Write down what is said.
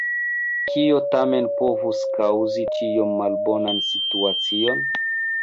Kio tamen povus kaŭzi tiom malbonan situacion?